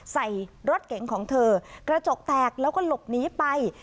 ใส่รถเก๋งของเธอกระจกแตกแล้วก็หลบหนีไป